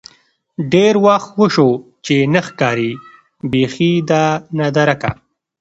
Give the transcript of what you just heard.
ډېر وخت وشو چې نه ښکارې بيخې ده نادركه.